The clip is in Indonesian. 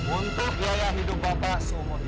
untuk biaya hidup bapak semua ini